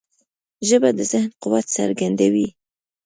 ژبه د ذهن قوت څرګندوي